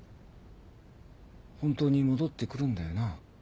本当に戻ってくるんだよな？